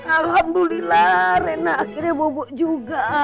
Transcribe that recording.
alhamdulillah rena akhirnya bobo juga